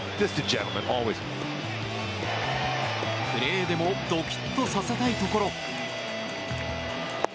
プレーでもドキッとさせたいところ。